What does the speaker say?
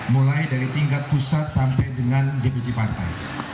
mulai dari tingkat pusat sampai dengan dpc partai